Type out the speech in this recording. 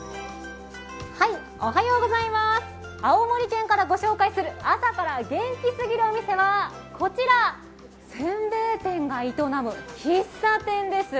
青森県から御紹介する朝から元気すぎるお店はこちら、せんべい店が営む喫茶店です。